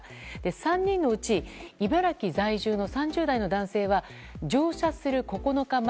３人のうち茨城在住の３０代の男性は乗車する９日前